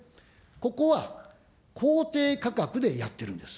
ここは公定価格でやっているんです。